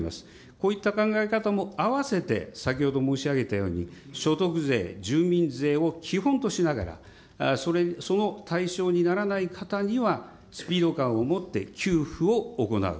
こういった考え方もあわせて先ほど申し上げたように、所得税、住民税を基本としながら、その対象にならない方にはスピード感を持って給付を行う。